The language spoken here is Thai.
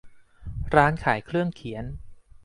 ร้านขายเครื่องเขียน